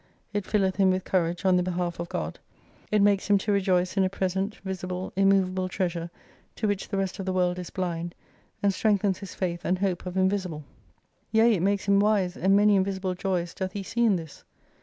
It filleth him with courage on the behalf of God. It makes him to rejoice in a present, visible, immovable treasure to which the rest of the world is blind, and strengthens his faith and hope of Invisible. Yea it makes him wise, and many invisible joys doth he see in this.